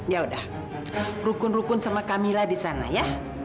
ya udah rukun rukun sama kamila di sana ya